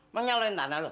menyalurin tanah lu